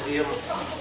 jadi kalau di kepala itu